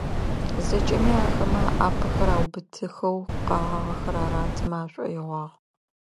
ЗэкӀэми ахэмэ аӏапэхэр аубытыхэу, къэгъагъэхэр аратымэ ашӀоигъуагъ.